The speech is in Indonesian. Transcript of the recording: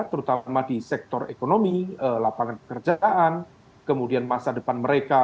terutama di sektor ekonomi lapangan pekerjaan kemudian masa depan mereka